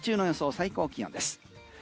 最高気温です。